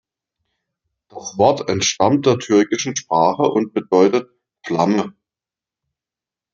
Das Wort entstammt der türkischen Sprache und bedeutet „Flamme“.